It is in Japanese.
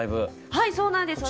はいそうなんです。